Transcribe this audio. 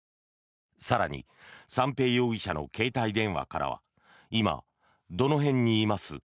更に三瓶容疑者の携帯電話からは今、どの辺にいます？